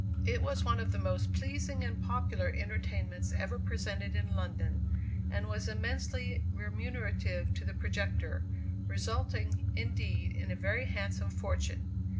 It was one of the most pleasing and popular entertainments ever presented in London, and was immensely remunerative to the projector, resulting, indeed, in a very handsome fortune.